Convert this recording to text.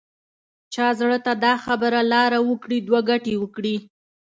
چا زړه ته دا خبره لاره وکړي دوه ګټې وکړي.